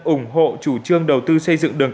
ủng hộ chủ trương đầu tư xây dựng đường